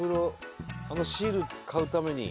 あのシール買うために。